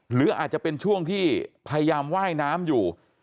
หรืออาจจะเป็นช่วงที่พยายามว่ายน้ำอยู่